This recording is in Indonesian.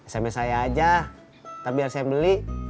sms saya aja ntar biar saya beli